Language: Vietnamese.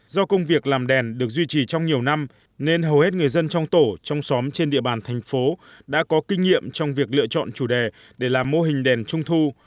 do công việc làm đèn được duy trì trong nhiều năm nên hầu hết người dân trong tổ trong xóm trên địa bàn thành phố đã có kinh nghiệm trong việc lựa chọn chủ đề để làm mô hình đèn trung thu